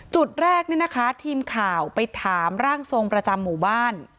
จุดแรกเนี่ยนะคะทีมข่าวไปถามร่างทรงประจำหมู่บ้าน